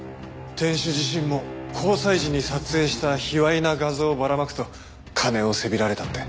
店主自身も交際時に撮影した卑猥な画像をばらまくと金をせびられたって。